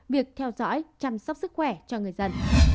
việc theo dõi chăm sóc sức khỏe cho người dân